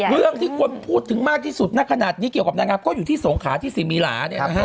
เรื่องที่คนพูดถึงมากที่สุดณขนาดนี้เกี่ยวกับนางงามก็อยู่ที่สงขาที่สิมีหลาเนี่ยนะฮะ